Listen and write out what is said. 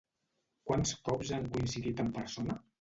Quants cops han coincidit en persona?